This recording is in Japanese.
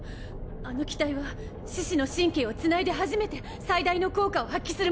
あの機体は四肢の神経をつないで初めて最大の効果を発揮するもので。